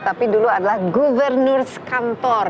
tapi dulu adalah gubernurial